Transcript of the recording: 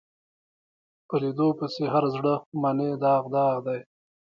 په لیدو پسې هر زړه منې داغ داغ دی